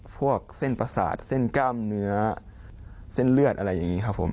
พวกเส้นประสาทเส้นกล้ามเนื้อเส้นเลือดอะไรอย่างนี้ครับผม